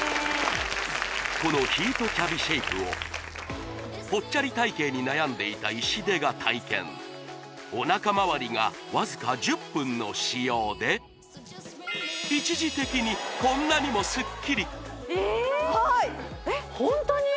このヒートキャビシェイプをぽっちゃり体形に悩んでいた石出が体験おなかまわりがわずか１０分の使用で一時的にこんなにもすっきりえっホントに？